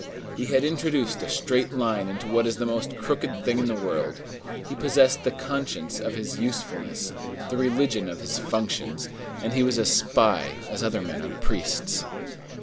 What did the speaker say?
He had introduced a straight line into what is the most crooked thing in the world; he possessed the conscience of his usefulness, the religion of his functions, and he was a spy as other men are priests.